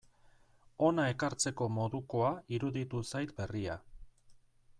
Hona ekartzeko modukoa iruditu zait berria.